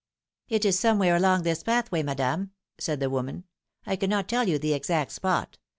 " It was somewhere along this pathway, madame," said the woman. " I cannot tell you the exact spot.